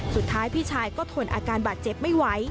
สุดท้ายพี่ชายก็ทนอาการบาดเจ็บไม่ไหว